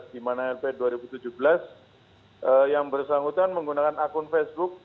di mana lp dua ribu tujuh belas yang bersangkutan menggunakan akun facebook